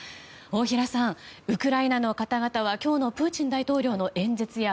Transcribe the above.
大平さん、ウクライナの方々は今日のプーチン大統領の演説や